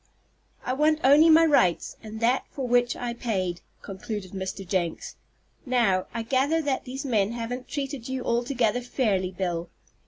"I want only my rights, and that for which I paid," concluded Mr. Jenks. "Now, I gather that these men haven't treated you altogether fairly, Bill."